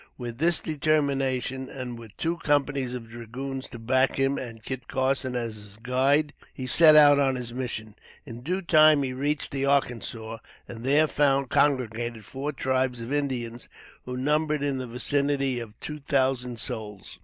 With this determination, and with two companies of dragoons to back him and Kit Carson as his guide, he set out on his mission. In due time he reached the Arkansas, and there found congregated four tribes of Indians who numbered in the vicinity of two thousand souls.